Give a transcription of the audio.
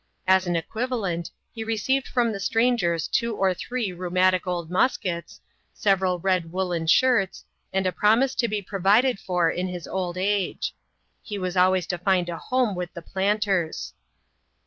As an equiva lent, he received from the strangers two or three rheumatic old muskets, several red woollen shirts, and a promise to be pro vided for in his old age : he was always to find a home with the planters.